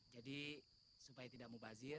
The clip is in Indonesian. jadi supaya tidak mau bazir